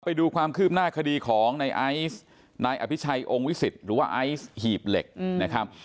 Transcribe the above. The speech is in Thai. ไปดูความคืบหน้าคดีของในไอซ์นายอภิชัยองค์วิสิตหรือว่าไอซ์หีบเหล็กนะครับ